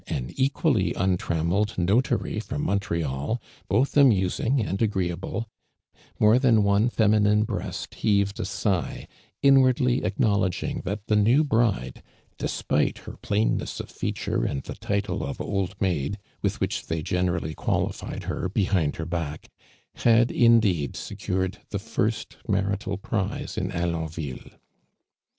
an equally untrammelled no tary irom Montreal, both amusing and agroeal)le, more than one feminine breast heaved a sigh, inwardly acknowledging that the new bride, despite her plainness of fea tjLire and the title of "old maid," with which they generally qualified her behind lier back, had indeed secured the first marital prize in Alonville.